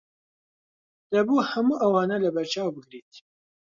دەبوو هەموو ئەوانە لەبەرچاو بگریت.